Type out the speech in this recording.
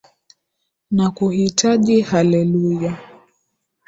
Nakuhitaji hallelujah